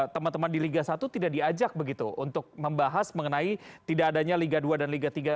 teman teman di liga satu tidak diajak begitu untuk membahas mengenai tidak adanya liga dua dan liga tiga